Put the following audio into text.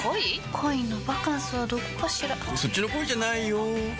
恋のバカンスはどこかしらそっちの恋じゃないよ